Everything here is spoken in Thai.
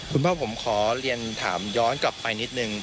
คุณพ่อผมขอเรียนถามย้อนกลับไปนิดนึง